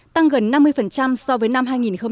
tăng gần năm mươi so với năm hai nghìn một mươi bảy